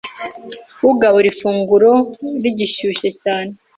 Ugabura ifunguro rigishyushye cyane